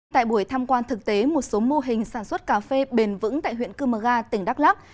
tại buổi tham quan thực tế một số mô hình sản xuất cà phê bền vững tại huyện cư mơ ga tỉnh đắk lắc